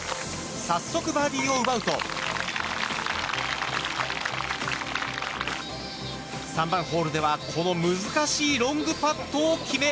早速バーディーを奪うと３番ホールではこの難しいロングパットを決め